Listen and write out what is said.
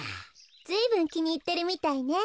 ずいぶんきにいってるみたいね。